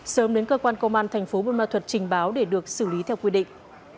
sớm đến cơ quan công an thành phố buôn ma thuật trình báo để được xử lý theo quy định